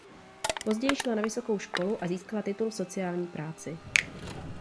Později šla na vysokou školu a získala titul v sociální práci.